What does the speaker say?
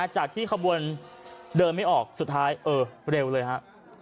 จากที่ขบวนเดินไม่ออกสุดท้ายเออเร็วเลยฮะ